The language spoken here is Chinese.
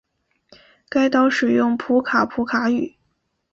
该岛使用普卡普卡语。